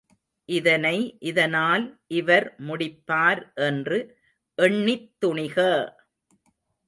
இதனை இதனால் இவர் முடிப்பார் என்று எண்ணித்துணிக!